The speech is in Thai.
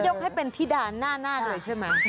นี่ยกให้เป็นที่ด่านหน้าน่าเลยใช่ไหม